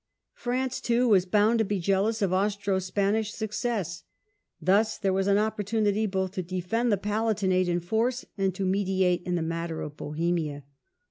France, too, was bound to be jealous of Austro Spanish success. Thus there was an opportunity both to defend the Palatinate in force, and to mediate in the matter of Bohemia.